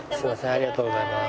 ありがとうございます。